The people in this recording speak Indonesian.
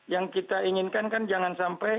yang kita inginkan kan jangan sampai